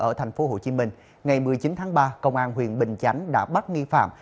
ở thành phố hồ chí minh ngày một mươi chín tháng ba công an huyện bình chánh đã bắt nghi phạm